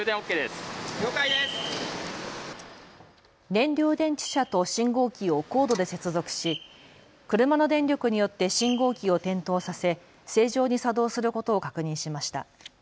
燃料電池車と信号機をコードで接続し車の電力によって信号機を点灯させ、正常に作動することを確認しました。